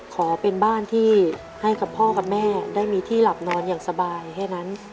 ขอเป็นบ้านที่ให้กับพ่อกับแม่ได้มีที่หลับนอนอย่างสบายแค่นั้น